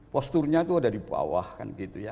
posturnya itu ada di bawah kan gitu ya